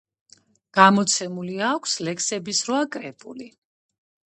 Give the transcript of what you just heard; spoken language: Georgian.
გამოცემული აქვს ლექსების რვა კრებული.